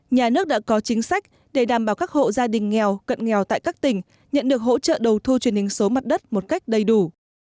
nhà nước đã có chính sách để đảm bảo các hộ gia đình nghèo cận nghèo tại các tỉnh nhận được hỗ trợ đầu thu truyền hình số mặt đất một cách đầy đủ